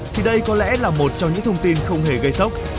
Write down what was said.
thì đây có lẽ là một trong những thông tin không hề gây sốc